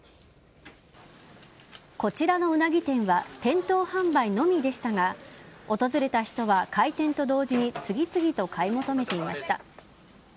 こちらのウナギ店は店頭販売のみでしたが訪れた人は開店と同時に次々と買い求めていました。